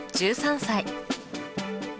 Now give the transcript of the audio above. １３歳。